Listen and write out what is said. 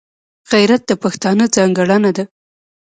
غیرت د پښتانه ځانګړنه ده